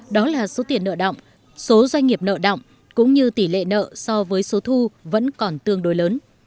đó là số tiền nợ động số doanh nghiệp nợ động cũng như tỷ lệ nợ so với số thu vẫn còn tương đối lớn